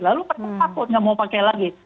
lalu pernah takut nggak mau pakai lagi